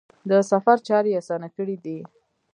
د سفر چارې یې اسانه کړي دي.